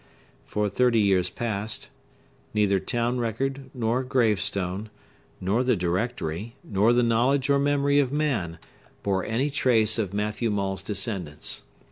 For thirty years past, neither town record, nor gravestone, nor the directory, nor the knowledge or memory of man, bore any trace of Matthew Maule's descendants.